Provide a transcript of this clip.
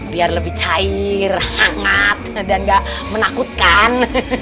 biar lebih cair hangat dan gak menakutkan